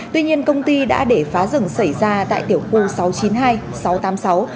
tuy nhiên công ty đã để phá rừng xảy ra tại tiểu khu sáu trăm chín mươi hai sáu trăm tám mươi sáu